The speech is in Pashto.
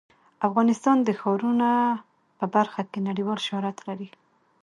افغانستان د ښارونه په برخه کې نړیوال شهرت لري.